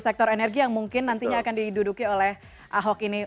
sektor energi yang mungkin nantinya akan diduduki oleh ahok ini